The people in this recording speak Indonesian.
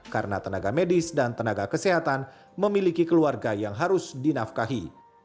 karena tenaga medis dan tenaga kesehatan memiliki keluarga yang harus dinafkahi